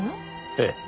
ええ。